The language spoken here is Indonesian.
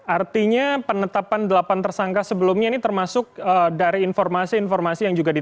artinya penetapan delapan tersangka sebelumnya ini termasuk dari informasi informasi yang juga ditemukan